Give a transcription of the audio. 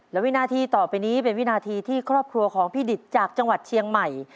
และวินาทีต่อไปนี้เป็นวินาทีที่ครอบครัวของพี่ดิตจากจังหวัดเชียงใหม่